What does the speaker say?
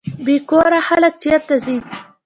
بې کوره خلک چیرته ځي؟